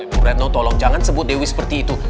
ibu retno tolong jangan sebut dewi seperti itu